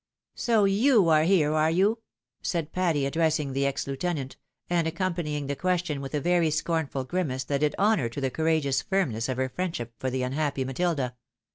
" So you are here, are you?" said Patty, addressing the ex lieutenant, and accompanying the question with a very scornful grimace, that did honour to the courageous firmness of her friendship for the unhappy Matilda.